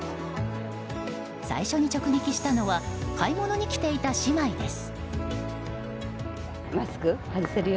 最初に直撃したのは買い物に来ていた姉妹です。